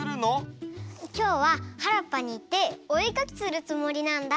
きょうははらっぱにいっておえかきするつもりなんだ。